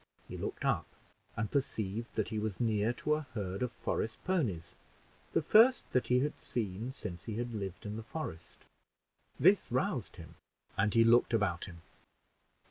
He looked up and perceived that he was near to a herd of forest ponies, the first that he had seen since he had lived in the forest. This roused him, and he looked about him.